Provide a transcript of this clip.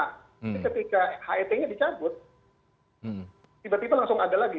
jadi ketika het nya dicabut tiba tiba langsung ada lagi